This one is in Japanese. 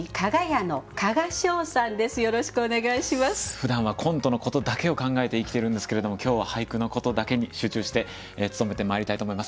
ふだんはコントのことだけを考えて生きているんですけれども今日は俳句のことだけに集中して努めてまいりたいと思います。